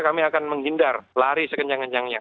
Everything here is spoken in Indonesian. kami akan menghindar lari sekencang kencangnya